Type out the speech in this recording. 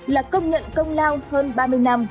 là công nhận công lao hơn ba mươi năm